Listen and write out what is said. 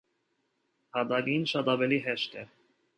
Հատակին շատ ավելի հեշտ է։